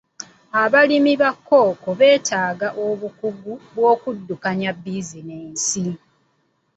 Abalimi ba Kkooko beetaaga obukugu bw'okuddukanya bizinensi.